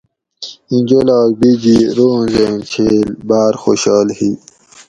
ایں جولاگ بیجی روںزیں چھیل باۤر خوشحال ھی